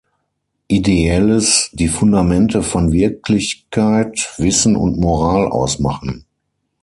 Ideelles die Fundamente von Wirklichkeit, Wissen und Moral ausmachen.